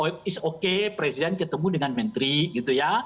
is okay presiden ketemu dengan menteri gitu ya